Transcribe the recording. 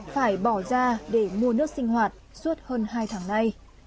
phải bỏ ra để mua nước sinh hoạt suốt hơn hai tháng nay